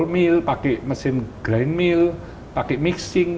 pakai mesin ball mill pakai mesin grind mill pakai mixing